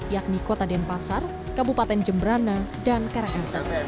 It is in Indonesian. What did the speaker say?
yakni kota denpasar kabupaten jembrana dan karangsa